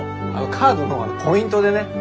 カードのポイントでね。